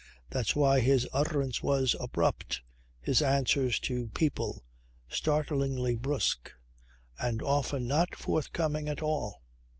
That's why his utterance was abrupt, his answers to people startlingly brusque and often not forthcoming at all.